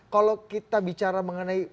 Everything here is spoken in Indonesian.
kalau kita bicara mengenai